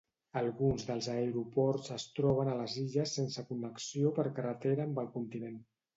Alguns dels aeroports es troben a les illes sense connexió per carretera amb el continent.